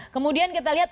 kemudian kita lihat